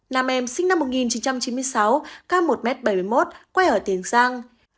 nam em sinh năm một nghìn chín trăm chín mươi sáu ca một m bảy mươi một quê ở tiền giang